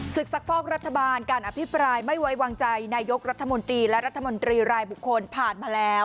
ศึกซักฟอกรัฐบาลการอภิปรายไม่ไว้วางใจนายกรัฐมนตรีและรัฐมนตรีรายบุคคลผ่านมาแล้ว